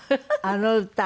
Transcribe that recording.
あの歌？